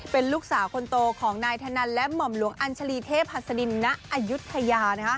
เป็นลูกสาวคนโตของนายธนันและหม่อมหลวงอัญชาลีเทพหัสดินณอายุทยา